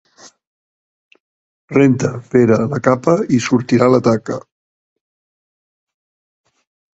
Renta, Pere, la capa i sortirà la taca.